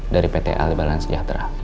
dari pta lebalan sejahtera